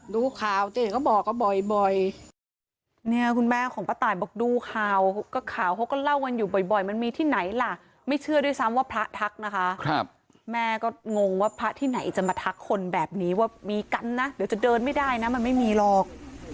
ดูข่าวก็ข่าวเขาก็เล่ากันอยู่บ่อยมันมีที่ไหนล่ะไม่เชื่อด้วยซ้ำว่าพระทักนะคะแม่ก็งงว่าพระที่ไหนจะมาทักคนแบบนี้ว่ามีกันนะเดี๋ยวจะเดินไม่ได้นะมันไม่มีหรอก